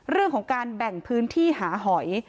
เรื่องของการแบ่งพื้นที่หาหอย